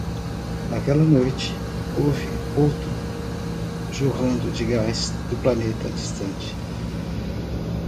Naquela noite, houve outro jorrando de gás do planeta distante.